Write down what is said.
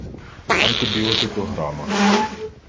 антибіотикограма